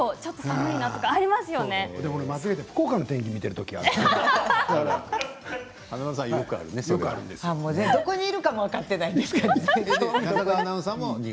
間違えて福岡の天気をどこにいるかも分かっていないんですね。